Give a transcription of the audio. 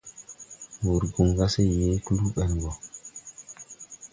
Burgum ga se yee kluu ɓen go.